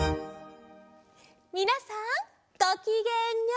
みなさんごきげんよう！